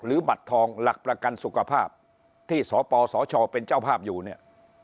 บัตรทองหลักประกันสุขภาพที่สปสชเป็นเจ้าภาพอยู่เนี่ย